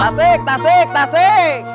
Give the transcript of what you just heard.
tasik tasik tasik